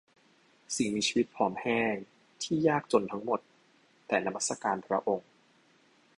สิ่งมีชีวิตผอมแห้งที่ยากจนทั้งหมด แต่นมัสการพระองค์